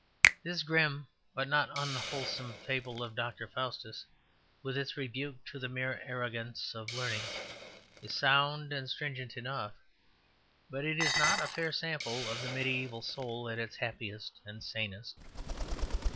This grim but not unwholesome fable of Dr. Faustus, with its rebuke to the mere arrogance of learning, is sound and stringent enough; but it is not a fair sample of the mediaeval soul at its happiest and sanest.